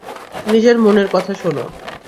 নিজের মনের কথা শোন।